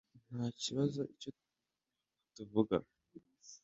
ntakibazo icyo dukora cyangwa tuvuga